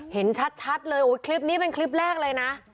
เห็นชัดเลยคลิปนี้เป็นคลิปแรกเลยนะ